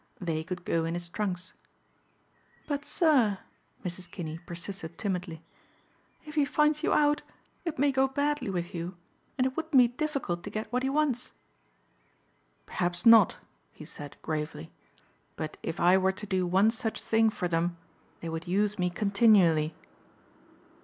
They could go in his trunks. "But, sir," Mrs. Kinney persisted timidly, "if he finds you out it may go badly with you and it wouldn't be difficult to get what he wants." "Perhaps not," he said gravely, "but if I were to do one such thing for them they would use me continually."